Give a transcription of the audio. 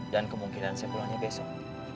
kemungkinan saya pulangnya besok